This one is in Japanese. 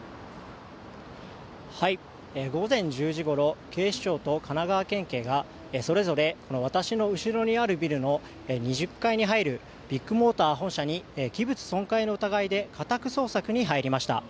午前１０時ごろ警視庁と神奈川県警がそれぞれ私の後ろにあるビルの２０階に入るビッグモーター本社に器物損壊の疑いで家宅捜索に入りました。